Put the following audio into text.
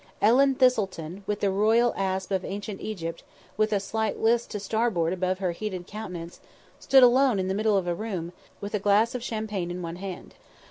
Ellen Thistleton, with the royal asp of ancient Egypt with a slight list to starboard above her heated countenance, stood alone in the middle of the room, with a glass of champagne in one hand.